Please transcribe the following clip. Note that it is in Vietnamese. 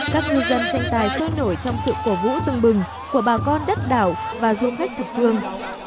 các ngư dân tranh tài sôi nổi trong sự cổ vũ tương bừng của bà con đất đảo và du khách thực phương